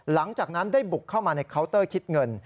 หลังจากนั้นได้บุกเข้ามาในเคาน์เตอร์คิดเงิน